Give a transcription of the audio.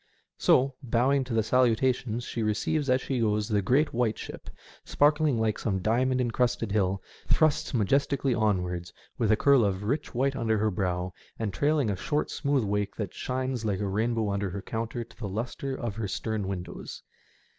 So, bowing to the salutations she receives as she goes, the great white ship, sparkling like some diamond encrusted hill, thrusts majestically onwards, with a curl of rich white under her bow, and trailing a short, smooth wake that shines like a rainbow under her counter to the lustre of her stem windows.